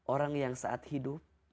orang yang saat hidup